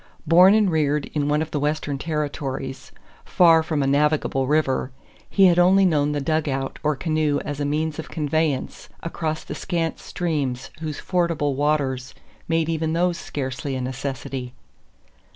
Born and reared in one of the Western Territories, far from a navigable river, he had only known the "dugout" or canoe as a means of conveyance across the scant streams whose fordable waters made even those scarcely a necessity.